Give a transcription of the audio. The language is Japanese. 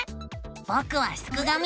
ぼくはすくがミ。